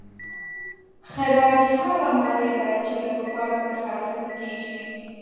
خراج هغه مالیه ده چې له کفارو څخه اخیستل کیږي.